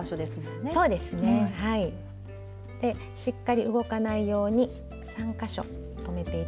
でしっかり動かないように３か所留めて頂いて。